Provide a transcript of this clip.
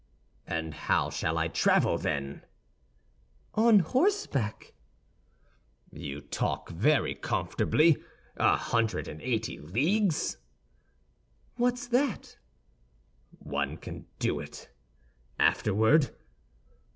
"And how shall I travel, then?" "On horseback." "You talk very comfortably,—a hundred and eighty leagues!" "What's that?" "One can do it! Afterward?"